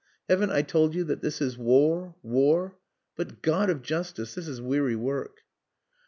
Haven't I told you that this is war, war.... But God of Justice! This is weary work."